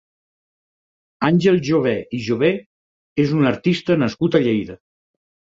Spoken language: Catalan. Àngel Jové i Jové és un artista nascut a Lleida.